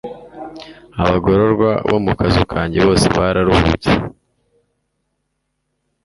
abagororwa bo mu kazu kanjye, bose bararuhutse